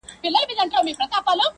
• یوه بل ته یې د زړه وکړې خبري -